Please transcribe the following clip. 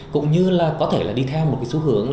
cũng như là có thể là đi theo một cái xu hướng